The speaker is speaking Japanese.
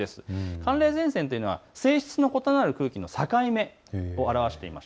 寒冷前線というのは性質の異なる空気の境目を表しています。